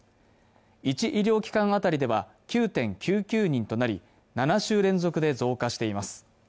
１医療機関当たりでは９．９９人となり７週連続で増加しています。